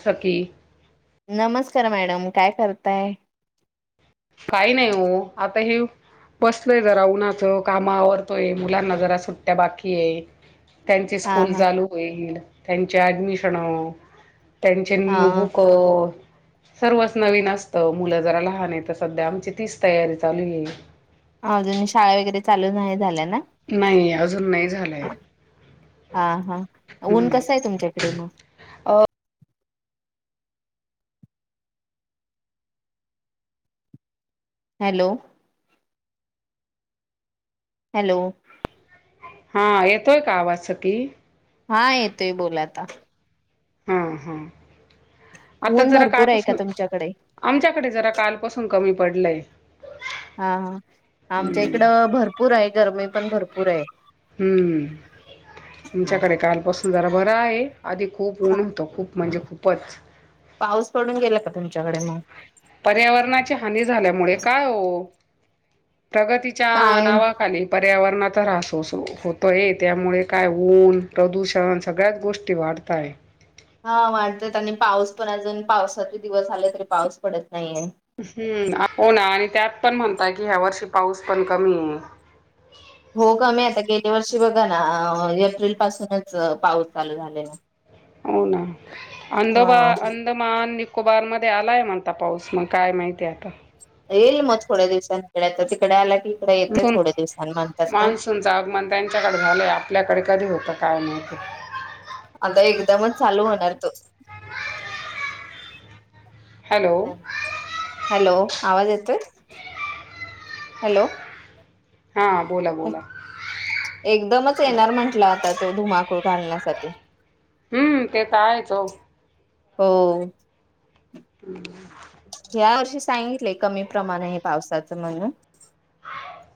[inaudible] सखी sir madam काय करताय? काही नाही हो आता हे बसलोय जरा उन्हाचं काम आवरतोय मुलांना जरा सुट्ट्या बाकी आहे. त्यांची हा स्कूल हा चालू होईल., त्यानं त्यांचे ऍडमिशन त्यांचे हा न्यू बुक. सर्वच नवीन असत मुलं जरा लहान आहे, तस सध्या आमची तीच तयारी चालू हाय. हां अजून शाळा वगैरे चालू नाही झाल्या ना. नाही अजून नाही झालंय हा हा ऊन हम्म. कस आहे तुमच्याकडे मग. अ, हॅलो. हॅलो. हा येतोय का आवाज सखी हा येतोय बोला आता हा हा. आता ऊन जरा भरपूर आहे का कालपासून तुमच्याकडे? आमच्याकडे जरा कालपासून कमी पडलय. हा हा आमच्या इकडं भरपूर आहे. गरमी पण भरपूर आहे. हम्म हा तुमच्याकडे कालपासून. जरा बरा आहे. आधी खूप ऊन होतो खूप म्हणजे खूप [unintelligible] पाऊस पडून गेला का तुमच्याकडे मग पर्यावरणाची हानी झाल्यामुळे काय हो. प्रगतीच्या काय नावाखाली पर्यावरणात. त्रास. त्रास होतोय. त्यामुळे काय ऊन प्रदूषण सगळ्याच गोष्टी वाढतय हा वाटतात आणि पाऊस पण अजून पावसाचे दिवस झाले तरी पाऊस पडत नाहीे. हम्म हो ना आणि त्यात पण म्हणता की ह्या वर्षी पाऊस पण कमी आहे हो का मी आता गेल्या वर्षी बघा ना एप्रिल पासूनच पाऊस चालू झालेला. हो ना अंद हा अंदमान निको निकोबार मध्ये आलाय म्हणता पाऊस मग काय माहितीय आता.. येईल मग थोड्या दिवसांकडे तर तिकडे आला. की इकडे येते थोड्या दिवसांनी म्हणतात ना मान्सूनच आगमन त्यांच्याकडे झालंय आपल्याकडे कधी होतात. काय माहिती आता एकदमच चालू होणार तो हॅलो हॅलो आवाज येतो हॅलो हां, बोला, बोला. एकदमच येणार म्हंटलं आता तो धुमाकूळ घालण्यास. कते [unintelligible] हम्म ते तर आहेच हो. हो ह या वर्षी सांगितलेय कमी प्रमाण आहे पावसाचं म्हणून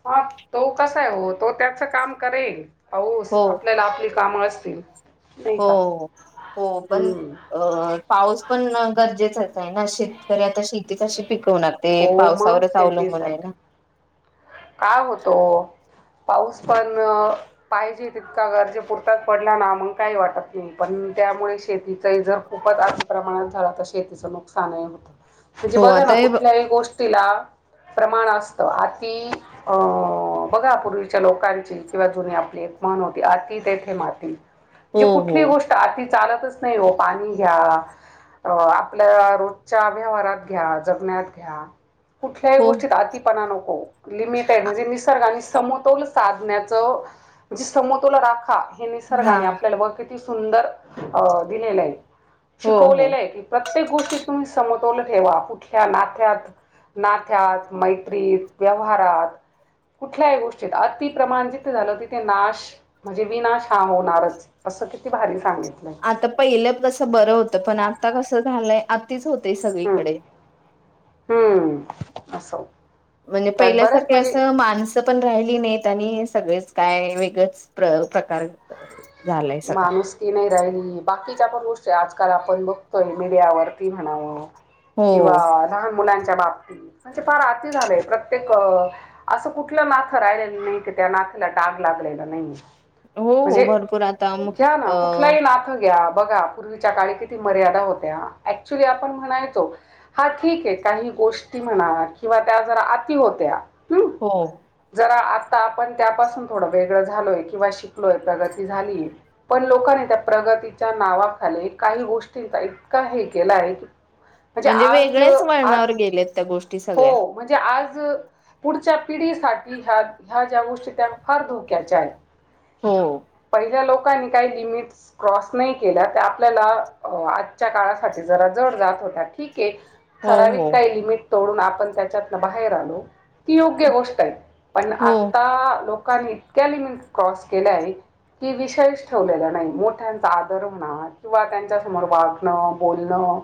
हा तो कसा आहे हो तो त्याच काम करेल. हौस हो आपल्याला आपली काम असतील नाही हो का? हो पण हं. अ पाऊस पण गरजेचा शेतकरी आता ‌‌‌‌श‌् शेती कशी पिकवणार ते हो पावसावरच अवलंबून आहे ना. का होतो पाऊस पण पाहिजे तितका गरजे पुरताच पडला ना मग काही वाटत नाही पण त्यामुळे शेतीचाही जर, खूपच अति प्रमाणात झालं तर, शेतीचं नुकसानही होतं. म्हणजे हो बघा आता ना हे कुठल्याही गोष्टीला प्रमाण असतं. अति अं बघा पूर्वीच्या लोकांची किंवा जुनी आपली एक म्हण होती अति तेथे माती. हो म्हणजे हो कुठली गोष्ट अति चालतच नाही हो पाणी घ्या, आपल्या रोजच्या व्यवहारात घ्या, जगण्यात घ्या कुठल्याही हो गोष्टीत अतिपणा नको. लिमिट आहे म्हणजे निसर्ग आणि सम् तोल साधण्याच म्हणजे समतोल राखा. हे हा निसर्गाने आपल्याला वंशिक सुंदर अ दिलेलं आहे. हो हो शिकवलेलं आहे की, प्रत्येक गोष्टी तुम्ही सम्- तोल ठेवा. कुठल्या नात्यात नात्यात, मैत्रीत व्यवहारात, कुठल्याही गोष्टीत अतिप्रमाण झालं तिथे नाश म्हणजे विनाश हा होणारच असं किती भारी सांगितलंय आता पहिलं कसं बरं होतं पण आता कसं झालंय अत अतिच होतय हम्म सगळीकडे. [unintelligible] म्हणजे त्यात बऱ्याच पहिल्यासारखं म्हणजे असं माणस पण राहिली नाहीत आणि सगळीच काय वेगळच प्र् प्रकार झालाय सगळं माणुसकी नाही राहिली. बाकीच्या पण गोष्टी आजकाल आपण बघतोय मीडियावरती म्हणावं हो किंवा लहान मुलांच् त्या बाबतीत म्हणजे फार आति झालंय प्रत्येक असं कुठलं नात राहिलेलं नाही की त्या नात्याला डाग लागलेला नाहीय. हो हो भर- - घ्या ना, कुठलही नातं घ्या बघा पूर्वीच्या काळी किती मर्यादा होत्या, ऍक्च्युली आपण म्हणायचो हा ठीक आहे, काही गोष्टी म्हणा किंवा त्या जरा अती होत्या हो तर आता आपण त्यापासून थोडं वेगळं झालोय किंवा शिकलोय प्रग- - ती झालीय पण लोकांनी त्या प्रगतीच्या नावाखाली काही गोष्टींचा इतका हे केलाय की- - म्हणजे वेगळ्याच वळणावर गेलेत त्या गोष्टी सगळ्या हो म्हणजे आज पुढच्या पिढीसाठी ह्या ह्या ज्या गोष्टी त्या फार धोक्याच्या आहेत. हो पहिल्या लोकांनी काही लिमिट्स क्रॉस नाही केल्या तर आपल्याला आजच्या काळासाठी जरा जड जात होत्या. ठीक हो हो ठराविक काय लिमिट तोडून आपण त्याच्यातनं बाहेर आलो ती योग्य गोष्टाय - पण हो आता लोक लोकांनी इतक्या लिमिट क्रॉस केल्या आहे. की विषयच ठेवलेला नाही मोठ्यांचा आदर होणार किंवा त्यांच्या समोर वागणं बोलणं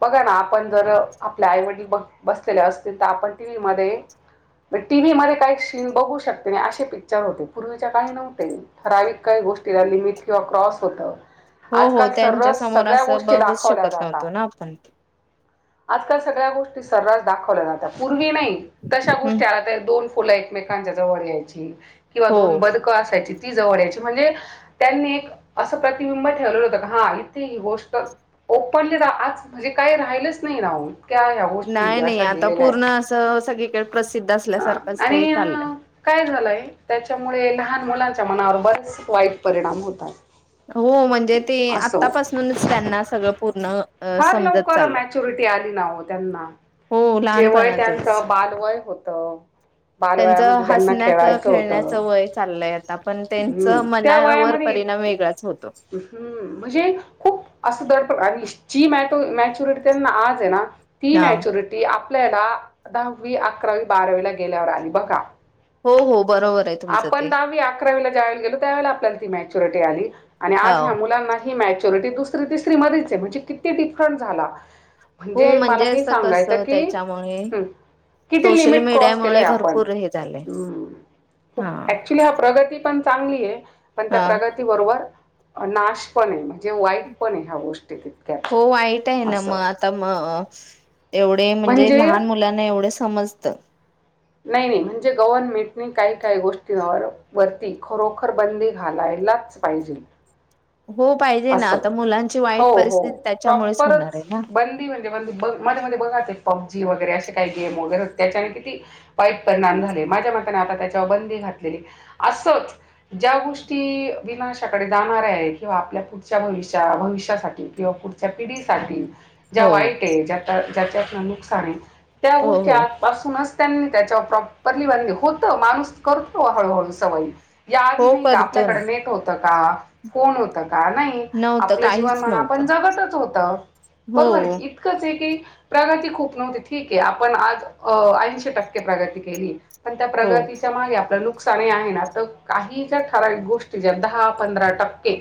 बघा ना, आपण जर आपले आईवडील ब बसलेले असतील तर आपण टीव्ही मध्ये टीव्ही मध्ये काही शीन बघू शकते नाही, असे पिक्चर होते पूर्वीच्या काही नव्हते ठरावीक काही गोष्टीला लिमिट किंवा क्रॉस होतं. हो हो आजकाल त्यांच्या सर्रास समोर सगळ्या असं गोष्टी बघूच दाखवल्या शकत जातात नव्हतो, ना आपण आजकाल सगळ्या गोष्टी सर्रास दाखवल्या जातात पूर्वी नाही. तशा हम्म गोष्टी [unintelligible] दोन फुला एकमेकांच्या जवळ यायची किंवा हो दोन बदकं असायची ती जवळयची म्हणजे त्यांनी एक अस प्रतिबिंब ठेवलेलं होत, हा इथे ही गोष्ट ओपनली न आज म्हणजे काही राहिलंच नाही ना ओ ह्या गोष्टी नाही नाही अशा आता गेलेल्या पूर्ण आहेत असं सगळीकडे प्रसिद्ध ह, असल्यासारखंच ते आणि चाललंय काय झालंय त्याच्यामुळे लहान मुलां मना बरोबर वाईट परिणाम होतात. हो म्हणजे ते आतापासूनच त्यांना सगळं पूर्ण फार समजत लवकर चाललय मॅच्युरिटी आली ना हो त्यांना हो लहानपणातच तो त्यांच हसण्याच खेळण्याच वय चाललंय आहेता पण त्यां ह त्या वायामध्ये इतके् म्हणजे खूप अस दडपड आणि तो मॅचुरट ना आज आहे ना ती हा मॅच्युरिटी आप आपल्याला दहावी अकरावी बारावीला गेल्यावर आली बघा, हो हो बरोबर आहे तुमचं ते ल्याला म हो. आ मुलां ह दुसरी तिसरी मध्येच आहे, म्हणजे किती डिफरन्स झाला. हो म्हणजे मला हे असं सांगायचं कसं की त्याच्यामुळे ह किती सोशल लिमिट क्रॉस केलंय मीडियामुळे आपण भरपूर हे झालंय. हा ऍक्च्युली हा प्रगती पण चांगली आहे. पण त्या हा प्रगती बरोबर नाश पण आहे, म्हण हो वाईट आहे ना असं मग आताम एवढे म्हणजे लहान मुलांना एवढे समजतं नाही नाही म्हणजे गव्हर्नमेंटने काही काही गोष्टीं वरती खरोखर बंदी घालायलाच पाहिजे हो पाहिजे ना असं आता मुलांची हो वाईट हो परिस्थिती त्याच्यामुळेच होणार प्रॉपरच आहे ना. बंदी म्हणजे बंदी मध्ये मध्ये बघाच पब्जी वगैरे असे काही गेम वगैरे त्याच्याने किती वाईट परिणाम झाले माझ्या मताने आता त्याच्यावर बंदी घातलेली असंच ज्या गोष्टी विनाशाकडे जाणार आहे किंवा आपल्या पुढच्या भविष्या भविष्यासाठी किंवा पुढच्या पिढीसाठी ज्या हो वाईट आहे ज्या त्याच्यात न नुकसान आहे त्या हो गोष्टी हो आज पासून अस त्यान त्याच्यावर प्रॉपरली बंदी होतं माणूस करतो हळूहळू सवयी या हो आधी नाही का करतो ना आपल्याकडे नेट होतं का फोन होता गं का नाही नव्हतं आपलं जीवन काहीच म्हणा नव्हतं आपण जगतच होतं हो बरोबर आहे इतकंच आहे की प्रगती खूप नव्हती ठीक आहे आपण आज ऐंशी टक्के टक्के प्रगती केली पण त्या हो प्रगतीच्या मागे आपलं नुकसान आहे ना तर काही ज्या ठराविक गोष्टी ज्या दहा पंधरा टक्के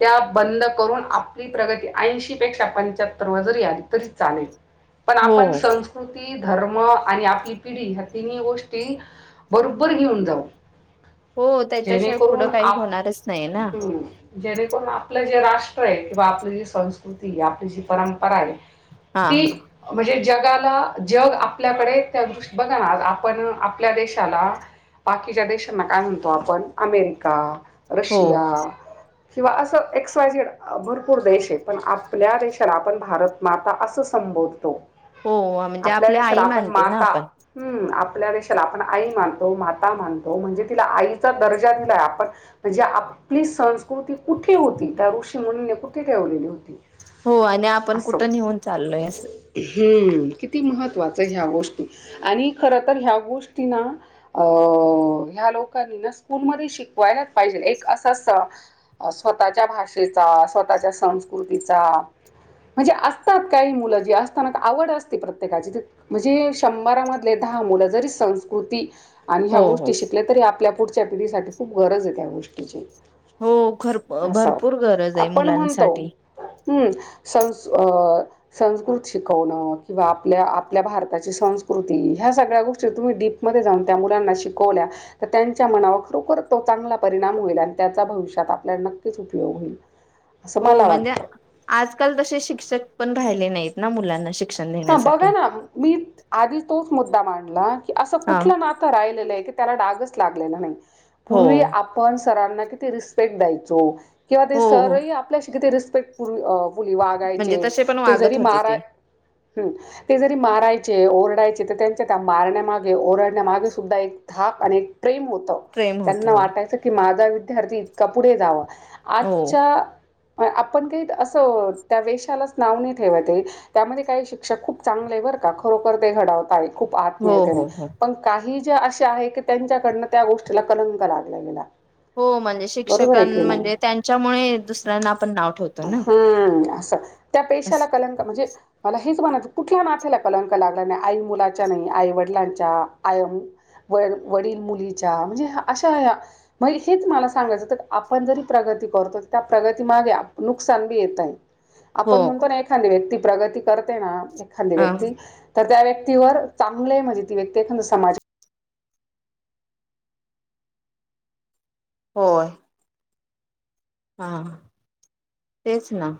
त्या बंद करून आपली प्रगती ऐंशी पेक्षा पंच्याहत्तर वर जरी आली तरी चालेल पण हो आपण संस्कृती पली धर्म आणि आपली पिढी ह्या तिन्ही गोष्टी बरोबर घेऊन जाऊ हो त्याच्याशिवाय पुढं जेणेकरून काही आप होणारच नाही ना हम्म. जेणेकरून आपलं जे राष्ट्र आहे किंवा आपली जी संस्कृती आहे आपली जी परंपरा आहे हा ती म्हणजे जगाला जग आपल्याकडे त्या दृष्टी बघा ना आपण आपल्या देशाला बाकीच्या देशांना काय म्हणतो आपण अमेरिका हो रशिया किंवा असं एक्स वाय झेड भरपूर देश आहे पण आपल्या देशाला आपण भारत माता असं संबोधतो. हो म्हणजे आपल्या देशाला आई आपण मानली ना माता आपण हम्म आपल्या देशाला आपण आई मानतो माता मानतो म्हणजे तिला आईचा दर्जा दिलाय आपण म्हणजे आपली संस्कृती कुठे होती त्या ऋषी मुनींने कुठे ठेवलेली होती. हो आणि आपण असं कुठं नेऊन चाललोय असं. हम्म किती महत्त्वाचं ह्या गोष्टी आणि खर तर ह्या गोष्टी ना अ ह्या लोकांनी ना स्कूलमध्ये शिकवायलाच पाहिजे एक असंअसतं स्वतःच्या भाषेचा स्वतःच्या संस्कृतीचा म्हणजे असतात काही मुलं जी असताना आवड असते प्रत्येकाची म्हणजे शंभरामधले दहा मुलं जरी संस्कृती आणि ह्या हो हो गोष्टी शिकल्या तरी आपल्या पुढच्या पिढीसाठी खूप गरज आहे त्या गोष्टीची. हो खर असो भरपूर गरज आहे आपण म्हणतो मुलांसाठी हम्म सं संस्क संस्कृत शिकवणं किंवा आपल्या आपल्या भारताच्या संस्कृती ह्या सगळ्या गोष्टी तुम्ही डीपमध्ये जाऊन त्या मुलांना शिकवल्या तर त्यांच्या मनावर खरोखर तो चांगला परिणाम होईल आणि त्याचा भविष्यात आपल्याला नक्कीच उपयोग होईल. असं हो मला म्हणजे वाटतं आजकाल तसे शिक्षक पण राहिले नाहीत ना मुलांना शिक हा बघा ना मी आधी तोच मुद्ददा मांडला असं हा कुठलं नातं राहिलेलं आहे क त्याला डागच लागलेला नाही. हो पूर्वी आपण सरांना किती रिस्पेक्ट द्यायचो किंवा ते हो हो सरही आपल्याशी किती रिस रिस्पेक्ट पूर्व फुली वागायचे म्हणजे तसे पण ते जरी वागत होते मरा ते ते जरी मारायचे ओरडायचे त्यांच्या मारण्या मागे ओरड ण्यामागे सुद्धा एक धाक आणि प्रेम होत प्रेम होत त्यांना हो वाटायचं की माझ विद्यार्थी इतका पुढे जावा हो आजच्या आपण काही असं त्या वेशालाच नाव नाही ठेवते त्यामध्ये काही श पेक्षा खूप चांगले बरं का खरोखर ते घडवता ये खुप हो आत्मीयते ने हो हो पण काही ष्ट अशी आहे, की त्यांच्याकडन त्या गोष्टीला कलंक लागला गेला. हो म्हणजे बरोबर शिक्षकां आहे की नाही? म्हणजे त्यांच्यामुळे दुसऱ्यांना आपण नाव ठेवतो ना हम्म. असं. त्या पेशाला कलंक म्हणजे मला हेच म्हणायचं, कुठल्या नाथ्याला कलंक लागला नाही आई मुलाच्या नाही, आई वडिलांच्या, आय वडील मुलीच्या म्हणजे अशा बाई हेच मला सांगायचं तर आपण जरी प्रगती करतो त्या प्रगती मागे नुकसान बी येतंय. हो आपण म्हणतो ना एखादी व्यक्ती प्रगती करते ना मग एखादी अ व्यक्ती तर त्या व्यक्तीवर चांगलं म्हणजे ती व्यक्ती एखादा समाज होय. हा तेच ना.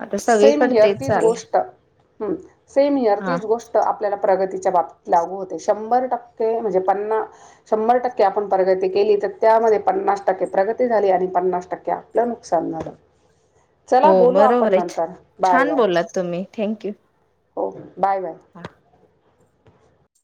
आता सेम सगळीकडे हिअर तेच तीच चाललंय. गोष्ट हम्म. सेम हिअर हा तीच गोष्ट आपल्याला प्रगती च्या बाबतीत लागू होते. शंभर टक्के म्हणजे पन्ना शंभर टक्के आपण प्रगती केली तर त्यामध्ये पन्नास टक्के प्रगती झाली आणि पन्नास टक्के आपलं नुकसान झालं. हो चला बोलू बरोबर आपण नं आहे छान बोललात तुम्ही थँंक यू. हो. Bye bye.